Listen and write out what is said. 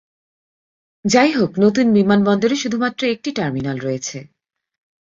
যাইহোক, নতুন বিমানবন্দরে শুধুমাত্র একটি টার্মিনাল রয়েছে।